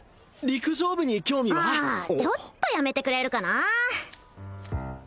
陸上部に興味はあちょっとやめてくれるかな